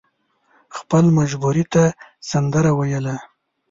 خپل جمبوري ته سندره ویله.